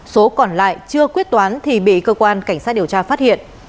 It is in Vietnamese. số còn lại chưa quyết toán thì bị cơ quan cảnh sát điều tra phát hiện